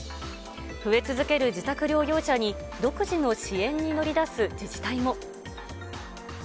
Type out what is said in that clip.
増え続ける自宅療養者に、独自の支援に乗り出す自治体も。